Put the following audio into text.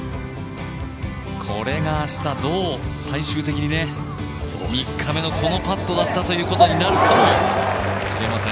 これが明日、どう最終的に３日目のこのパットだったということになるかもしれません。